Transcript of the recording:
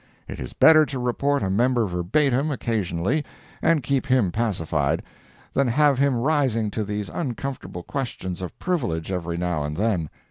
It is better to report a member verbatim, occasionally, and keep him pacified, than have him rising to these uncomfortable questions of privilege every now and then.